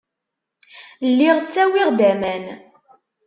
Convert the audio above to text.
Lliɣ ttawiɣ-d aman.